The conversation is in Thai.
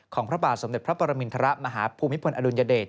พระบาทสมเด็จพระปรมินทรมาฮภูมิพลอดุลยเดช